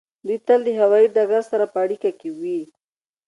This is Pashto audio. دوی تل د هوایی ډګر سره په اړیکه کې وي